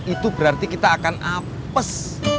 itu berarti kita akan apes